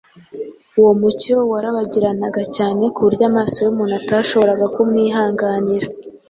Uwo mucyo wararabagiranaga cyane ku buryo amaso y’umuntu atashoboraga kuwihanganira.